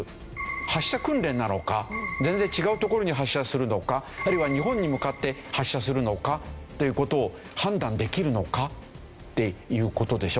発射訓練なのか全然違う所に発射するのかあるいは日本に向かって発射するのかという事を判断できるのかっていう事でしょ。